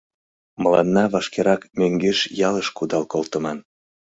— Мыланна вашкерак мӧҥгеш ялыш кудал колтыман...